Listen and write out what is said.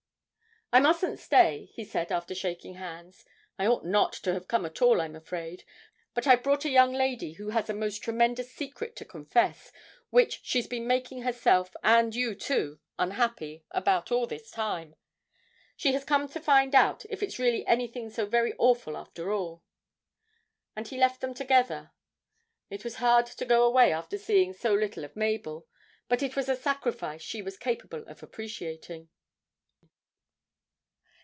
'I mustn't stay,' he said, after shaking hands. 'I ought not to come at all, I'm afraid, but I've brought a young lady who has a most tremendous secret to confess, which she's been making herself, and you too, unhappy about all this time. She has come to find out if it's really anything so very awful after all.' And he left them together. It was hard to go away after seeing so little of Mabel, but it was a sacrifice she was capable of appreciating.